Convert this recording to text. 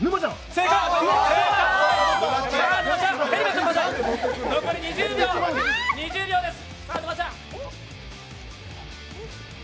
正解、さあ残り２０秒です。